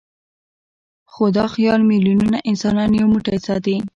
خو دا خیال میلیونونه انسانان یو موټی ساتي.